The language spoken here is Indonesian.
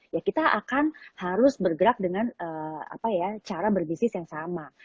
ya kita akan harus bergerak dengan cara berbisnis yang sama